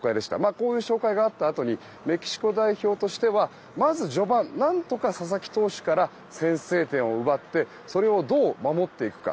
こういう紹介があったあとにメキシコ代表としてはまず序盤、何とか佐々木投手から先制点を奪ってそれをどう守っていくか。